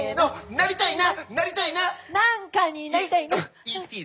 なりたいな！